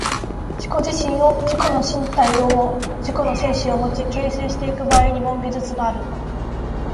自己自身を、自己の身体をも自己の精神をも、形成してゆく場合にも、技術がある。